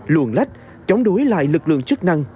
luồn lách chống đối lại lực lượng chức năng